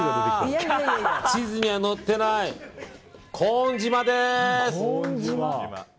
地図には載ってないコーン島です。